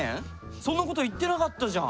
そんなこと言ってなかったじゃん！